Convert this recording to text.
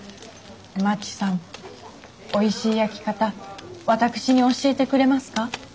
まちさんおいしい焼き方私に教えてくれますか？